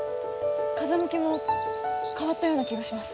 風向きも変わったような気がします。